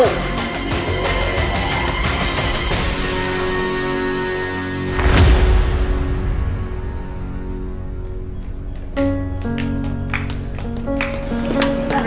aku mau pergi